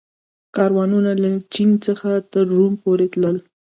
کاروانونه له چین څخه تر روم پورې تلل